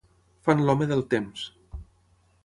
Fan l'home del temps.